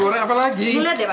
suara apa lagi